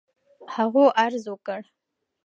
هغو عرض وكړ: